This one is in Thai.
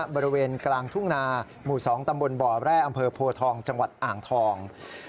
บริเวณกลางทุ่งนาหมู่๒ตำบลบ่อแร่อำเภอโพทองจังหวัดอ่างทอง